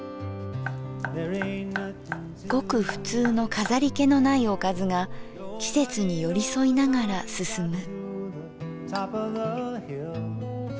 ごくふつうの飾り気のないおかずが季節に寄り添いながら進む。